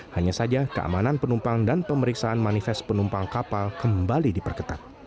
hanya saja keamanan penumpang dan pemeriksaan manifest penumpang kapal kembali diperketat